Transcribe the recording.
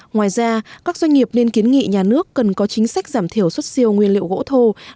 ngoài ra các doanh nghiệp nên kiến nghị nhà nước cần có chính sách giảm thiểu xuất siêu nguyên liệu gỗ thô